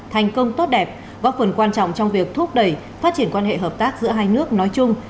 thành công tốt đẹp góp phần quan trọng trong việc thúc đẩy phát triển quan hệ hợp tác giữa hai nước nói chung